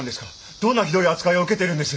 どんなひどい扱いを受けてるんです！？